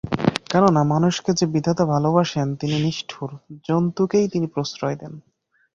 কেননা, মানুষকে যে-বিধাতা ভালোবাসেন তিনি নিষ্ঠুর, জন্তুকেই তিনি প্রশ্রয় দেন।